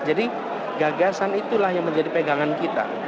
jadi gagasan itulah yang menjadi pegangan kita